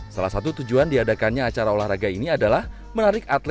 salah satu tujuan diadakannya acara olahraga ini adalah menarik atlet